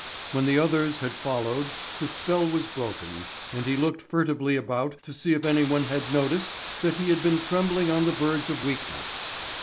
When the others had followed the spell was broken and he looked furtively about to see if anyone had noticed that he had been trembling on the verge of weakness.